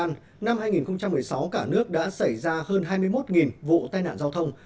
năm hai nghìn một mươi sáu cả nước đã xảy ra hơn hai mươi một vụ tai nạn giao thông